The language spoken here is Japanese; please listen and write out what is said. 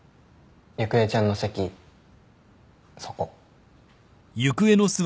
ゆくえちゃんの席そこ。